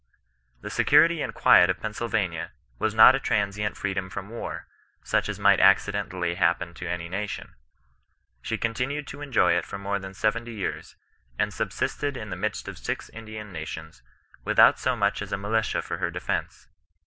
" The security and quiet of Peims^Vs^'^\^^^'^>^^'^ 134 CHRISTIAN NON RESISTANGB. transient freedom from war, such as might accidentally happen to any nation. She continued to enjoy it for more than seventy years/ and * subsisted in the midst of six Indian nations, without so much as a militia for her defence.